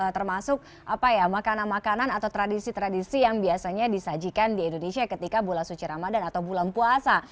termasuk makanan makanan atau tradisi tradisi yang biasanya disajikan di indonesia ketika bulan suci ramadan atau bulan puasa